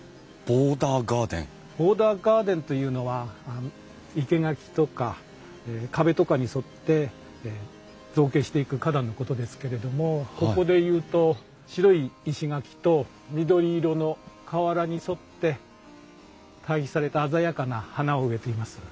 ボーダーガーデンというのは生け垣とか壁とかに沿って造形していく花壇のことですけれどもここでいうと白い石垣と緑色の瓦に沿って対比された鮮やかな花を植えています。